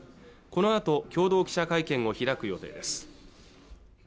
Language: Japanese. このあと共同記者会見を開く予定です